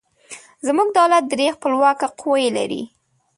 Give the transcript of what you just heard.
زموږ دولت درې خپلواکه قوې لري.